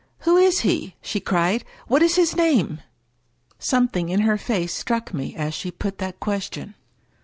" Who is he ?" she cried. " What is his name ?" Something in her face struck me as she put that question.